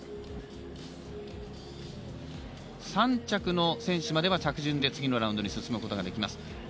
３着の選手までは着順で次のラウンドに進むことができます。